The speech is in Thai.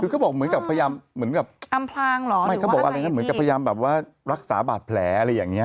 คือเขาบอกเหมือนกับพยายามเหมือนกับอำพลางเหรอไม่เขาบอกอะไรงั้นเหมือนกับพยายามแบบว่ารักษาบาดแผลอะไรอย่างเงี้